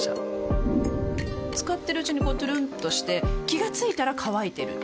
使ってるうちにこうトゥルンとして気が付いたら乾いてる